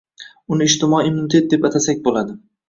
uni ijtimoiy immunitet deb atasak bo‘ladi